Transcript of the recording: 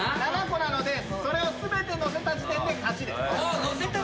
７個なのでそれを全てのせた時点で勝ちです。